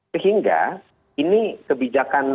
sehingga ini kebijakan apa